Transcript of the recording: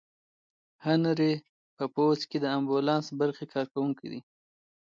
هنري په پوځ کې د امبولانس برخې کارکوونکی دی.